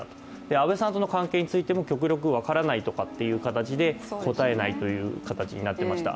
安倍さんとの関係についても、極力分からないとかいった形で答えないという形になっていました。